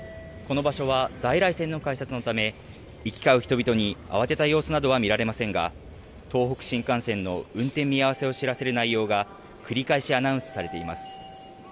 この場所は在来線の改札のため行き交う人々に慌てた様子などは見られませんが東北新幹線の運転見合わせを知らせる内容が繰り返しアナウンスされています。